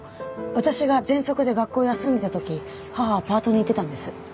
私がぜんそくで学校を休んでいた時母はパートに行ってたんです。